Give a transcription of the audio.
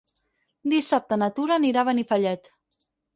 Dissabte na Tura anirà a Benifallet.